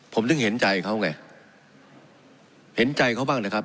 ผมถึงเห็นใจเขาไงเห็นใจเขาบ้างนะครับ